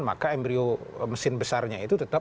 maka embryo mesin besarnya itu tetap